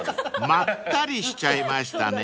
［まったりしちゃいましたね］